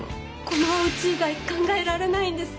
このうち以外考えられないんです。